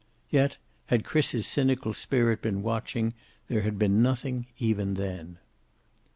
Yet, had Chris's cynical spirit been watching, there had been nothing, even then.